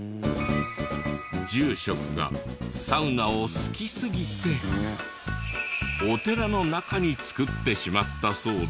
住職がサウナを好きすぎてお寺の中に作ってしまったそうで。